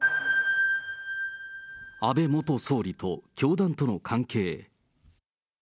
安倍元総理と教団との関係。